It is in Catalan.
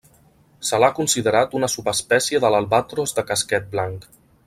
Se l'ha considerat una subespècie de l'albatros de casquet blanc.